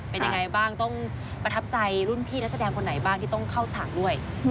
เป็นยังไงบ้างต้องประทับใจรุ่นพี่นักแสดงคนไหนบ้างที่ต้องเข้าฉากด้วย